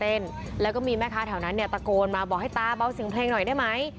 เล่นแล้วก็มีแม่ค้าแถวนั้นเนี่ยตะโกนมาบอกให้ตาเบาเสียงเพลงหน่อยได้ไหม